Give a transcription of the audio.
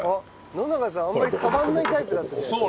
野永さんあんまり触らないタイプだったじゃないですか。